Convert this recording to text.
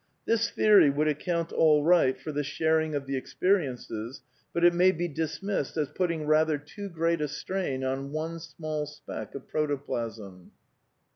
This theory would ac count all right for the sharing of the experiences, but it may be dismissed as putting rather too great a strain on one small speck of protoplasm.